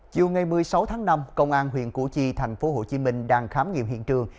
chiều ngày một mươi sáu tháng năm công an huyện củ chi thành phố hồ chí minh đang khám nghiệm hiện trường